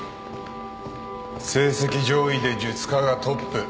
成績上位で術科がトップ。